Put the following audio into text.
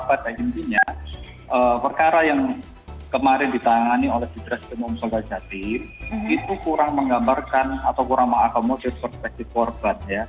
tapi intinya perkara yang kemarin ditangani oleh jidras jum'at musyadzati itu kurang menggambarkan atau kurang mengakomodir perspektif korban